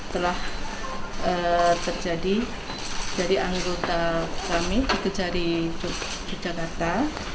telah terjadi dari anggota kami di kejari yogyakarta